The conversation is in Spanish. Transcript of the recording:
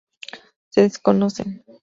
Se desconocen.